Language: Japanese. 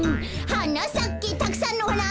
「はなさけたくさんのはな」